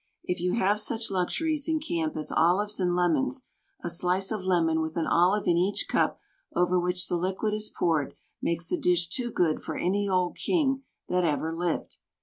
If you have such luxuries in camp as olives and lemons, a slice of lemon with an olive in each cup over which the liquid is poured makes a dish too good for any old king that ever lived.